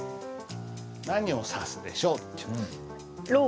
何を指すでしょうっていうね。